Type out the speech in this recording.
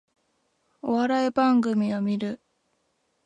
お笑い番組を観る